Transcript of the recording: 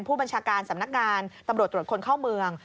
ผู้บัญชาการสำนักงานตำรวจตรวจคนเข้าเมือง